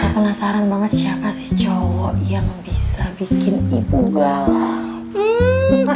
penasaran banget siapa sih cowok yang bisa bikin ibu gala